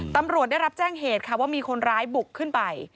ตำรวจได้รับแจ้งเหตุค่ะว่ามีคนร้ายบุกขึ้นไป